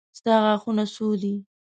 ستا غاښونه څو دي.